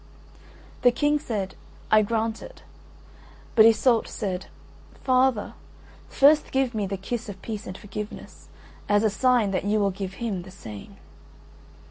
The King said, "I grant it." But Iseult said, "Father, first give me the kiss of peace and forgiveness, as a sign that you will give him the same."